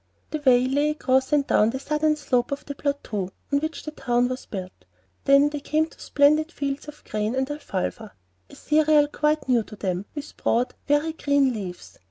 The way lay across and down the southern slope of the plateau on which the town was built. Then they came to splendid fields of grain and "afalfa," a cereal quite new to them, with broad, very green leaves.